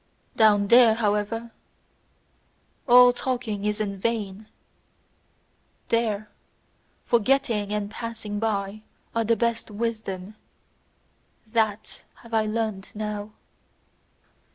Down there, however all talking is in vain! There, forgetting and passing by are the best wisdom: THAT have I learned now!